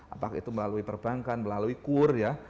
apakah itu melalui perbankan melalui kur ya